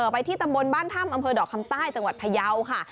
ไปที่ตำบลบ้านถ้ำอำเภอดอกคำใต้จังหวัดพยาวค่ะ